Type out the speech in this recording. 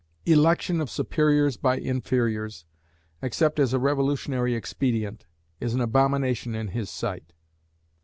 Election of superiors by inferiors, except as a revolutionary expedient, is an abomination in his sight.